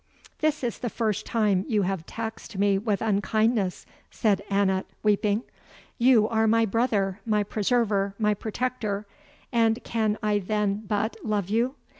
"This is the first time you have taxed me with unkindness," said Annot, weeping. "You are my brother my preserver my protector and can I then BUT love you?